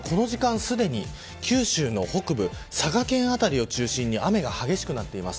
実は、この時間すでに九州の北部、佐賀県辺りを中心に雨が激しくなっています。